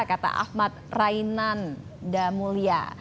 kata ahmad rainan damulya